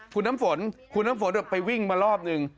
คุณน้ำฝนคุณน้ำฝนไปวิ่งมารอบหนึ่ง